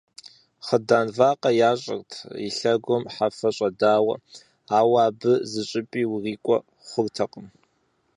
Хъыдан вакъэ ящӀырт, и лъэгум хьэфэ щӀэдауэ, ауэ абы зыщӀыпӀи урикӀуэ хъуртэкъым.